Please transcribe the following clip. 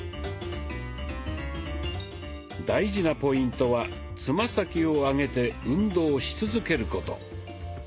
大事なポイントはつま先を上げて運動し続けること。